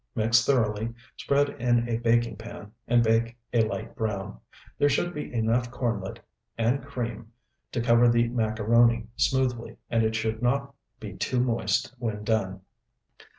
Mix thoroughly, spread in a baking pan, and bake a light brown. There should be enough kornlet and cream to cover the macaroni smoothly, and it should not be too moist when done.